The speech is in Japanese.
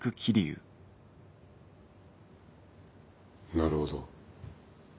なるほど。